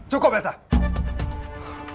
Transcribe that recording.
cukup mbak andin